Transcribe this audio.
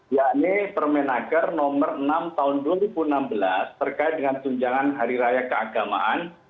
yakni permenaker nomor enam tahun dua ribu enam belas terkait dengan tunjangan hari raya keagamaan